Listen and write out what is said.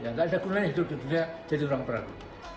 gak ada gunanya hidup hidupnya jadi orang peragu